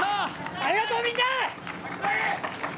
ありがとう、みんな！